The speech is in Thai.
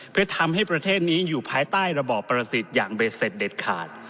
เพื่อทำให้ประเทศนี้อยู่ภายใต้ระบอบประสิทธิ์อย่างเบ็ดเสร็จเด็ดขาด